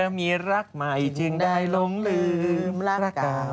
เขามีรักไม่จึงได้ลงลืมและกาล